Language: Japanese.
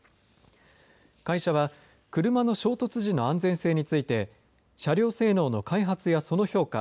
会社は車の衝突時の安全性について車両性能の開発やその評価